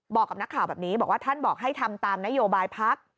บอกกับนักข่าวแบบนี้บอกว่าท่านบอกให้ทำตามนโยบายพัก